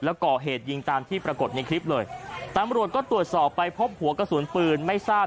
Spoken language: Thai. แล้วก่อเหตุยิงตามที่ปรากฏในคลิปเลยตำรวจก็ตรวจสอบไปพบหัวกระสุนปืนไม่ทราบ